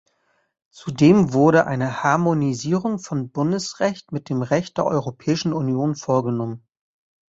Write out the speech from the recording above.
Zudem wurde eine Harmonisierung von Bundesrecht mit dem Recht der Europäischen Union vorgenommen.